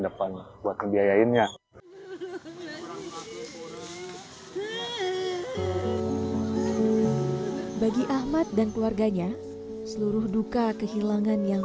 di pekerjaan ke depan buat ngebiayainnya bagi ahmad dan keluarganya seluruh duka kehilangan yang